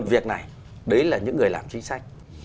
việc này đấy là những người làm chính sách